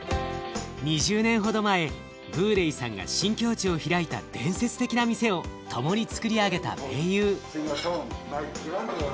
２０年ほど前ブーレイさんが新境地を開いた伝説的な店を共につくり上げた盟友。